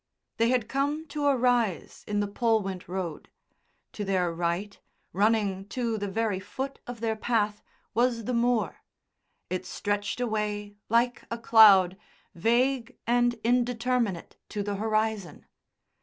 They had come to a rise in the Polwint Road. To their right, running to the very foot of their path, was the moor. It stretched away, like a cloud, vague and indeterminate to the horizon.